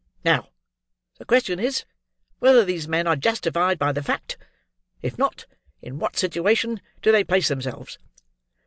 Now, the question is, whether these men are justified by the fact; if not, in what situation do they place themselves?"